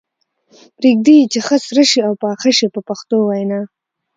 پرېږدي یې چې ښه سره شي او پاخه شي په پښتو وینا.